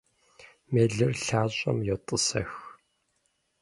Мелыр лъащӀэм йотӀысэх.